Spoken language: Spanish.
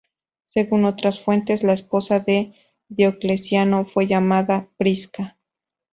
Según otras fuentes, la esposa de Diocleciano fue llamada Prisca.